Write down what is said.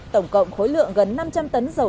tổng cộng khối lượng gần năm trăm linh tấn dầu